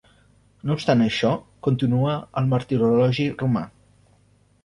No obstant això, continua al Martirologi Romà.